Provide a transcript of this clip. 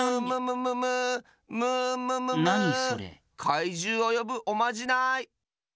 かいじゅうをよぶおまじない！